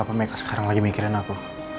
apa mereka sekarang lagi mikirin aku